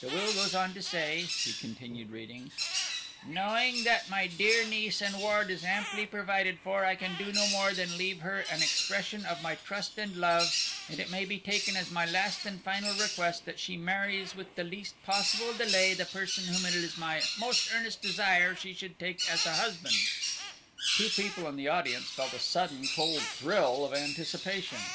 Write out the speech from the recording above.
The will goes on to say," he continued reading: "'KNOWING that my dear niece and ward is amply provided for, I can do no more than leave her an expression of my trust and love, and it may be taken as my last and final request that she marries with the least possible delay the person whom it is my most earnest desire she should take as a husband.'" Two people in the audience felt a sudden cold thrill of anticipation.